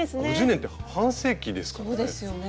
５０年って半世紀ですからね。